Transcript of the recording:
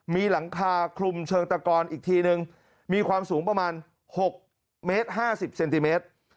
มีหลังคาคลุมเชิงตะกอนอีกทีนึงมีความสูงประมาณ๖เมตร๕๐เซนติเมตร